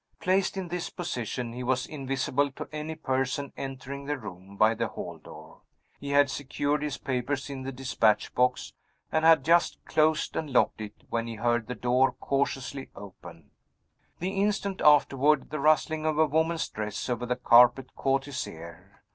Placed in this position, he was invisible to any person entering the room by the hall door. He had secured his papers in the dispatch box, and had just closed and locked it, when he heard the door cautiously opened. The instant afterward the rustling of a woman's dress over the carpet caught his ear.